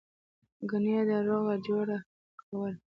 گني ده روغه جوړه کوله.